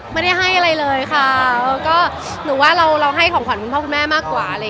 ไม่ได้ให้อะไรเลยค่ะก็หนูว่าเราให้ของขวัญคุณพ่อคุณแม่มากกว่า